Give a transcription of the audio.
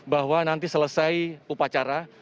bahwa nanti selesai upacara